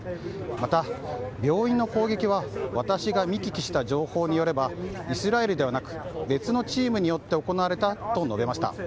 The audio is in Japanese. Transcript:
また、病院の攻撃は私が見聞きした情報によればイスラエルではなく別のチームによって行われたと述べました。